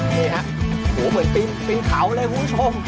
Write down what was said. นี่ฮะโหเหมือนปีนเขาเลยคุณผู้ชม